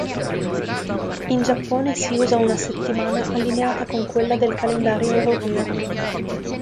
In Giappone si usa una settimana allineata con quella del calendario europeo.